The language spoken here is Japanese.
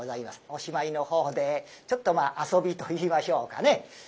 おしまいのほうでちょっと遊びといいましょうかね